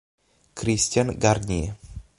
Christian Garnier